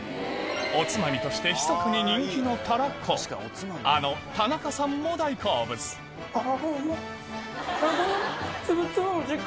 おつまみとしてひそかに人気のあの田中さんも大好物あぁうまい。